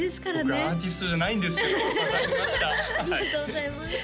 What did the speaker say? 僕アーティストじゃないんですけど刺さりましたありがとうございますさあ